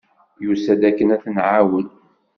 Yusa-d akken ad t-nɛawen.